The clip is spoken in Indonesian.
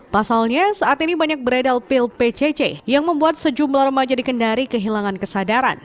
pasalnya saat ini banyak beredal pil pcc yang membuat sejumlah remaja di kendari kehilangan kesadaran